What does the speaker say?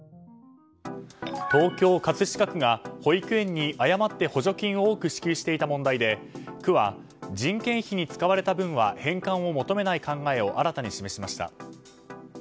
東京・葛飾区が保育園に誤って補助金を多く支給していた問題で区は、人件費に使われた分は返還を求めない考えを新たに示しました。